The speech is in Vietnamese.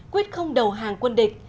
quyết không đầu hàng quân địch